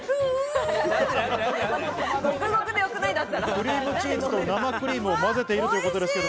クリームチーズと生クリームを混ぜているということです。